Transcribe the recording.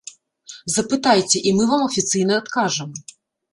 Запытайце, і мы вам афіцыйна адкажам.